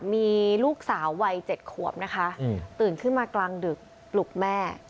มีลูกสาววัย๗ขวบนะคะตื่นขึ้นมากลางดึกปลุกแม่